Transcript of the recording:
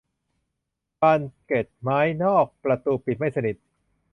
บานเกล็ดไม้นอกประตูปิดไม่สนิท